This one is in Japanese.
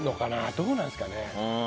どうなんですかね。